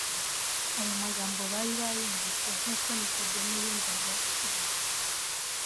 Ayo magambo bari bayumvise nk'uko Nikodemu yumvaga igihe